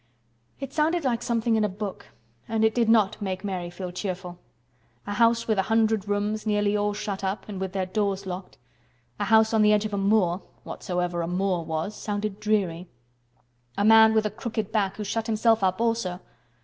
It sounded like something in a book and it did not make Mary feel cheerful. A house with a hundred rooms, nearly all shut up and with their doors locked—a house on the edge of a moor—whatsoever a moor was—sounded dreary. A man with a crooked back who shut himself up also!